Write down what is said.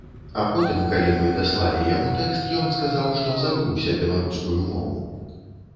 А потым, калі мы даслалі яму тэкст, ён сказаў, што забыўся беларускую мову.